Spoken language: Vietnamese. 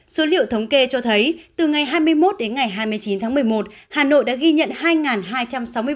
số liệu thống kê cho thấy từ ngày hai mươi một đến ngày hai mươi chín tháng một mươi một hà nội đã ghi nhận hai hai trăm sáu mươi vụ